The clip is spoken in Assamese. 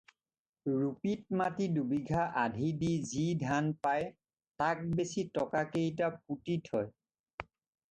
ৰুপিত মাটি দুবিঘা আধি দি যি ধান পায় তাক বেচি টকাকেইটা পুতি থয়।